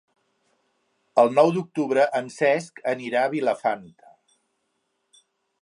El nou d'octubre en Cesc anirà a Vilafant.